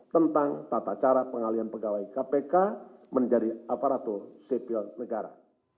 tentang tata cara pengalian pegawai kpk menjadi aparatur sipil negara